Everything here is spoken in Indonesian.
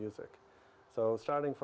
tapi pada saat itu